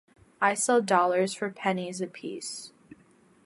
I sell dollars for pennies apiece.